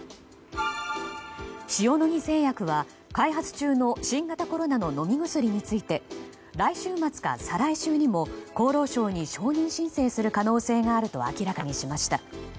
塩野義製薬は開発中の新型コロナの飲み薬について来週末から再来週にも厚労省に承認申請する可能性があると明らかにしました。